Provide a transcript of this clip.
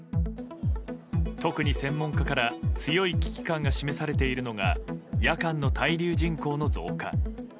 特に専門家から強い危機感が示されているのが夜間の滞留人口の増加。